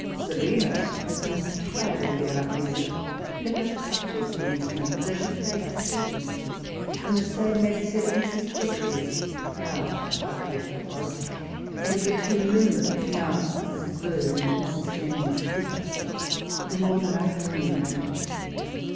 Selina has entirely given up music; — never touches the instrument, though she played sweetly. And the same may be said of Mrs. Jeffereys— Clara Partridge that was — and of the two Milmans, now Mrs. Bird and Mrs. James Cooper; and of more than I can enu merate.